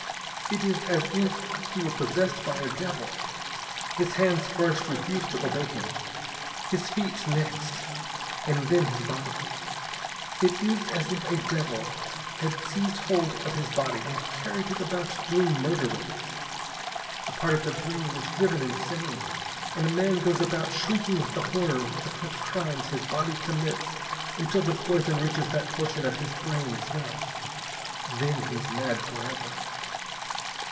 It is as if he were possessed by a devil. His hands first refuse to obey him. His feet next. And then his body. It is as if a devil had seized hold of his body and carried it about doing murder with it. A part of the brain is driven insane, and a man goes about shrieking with the horror of what crimes his body commits until the poison reaches that portion of his brain as well. Then he is mad forever.